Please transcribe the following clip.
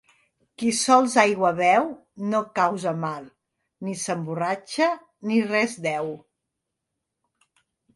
Qui sols aigua beu, no causa mal, ni s'emborratxa, ni res deu.